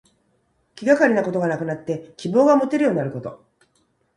気がかりなことがなくなって希望がもてるようになること。